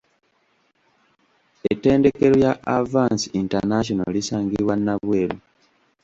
Ettendekero lya Avance International lisangibwa Nabweru.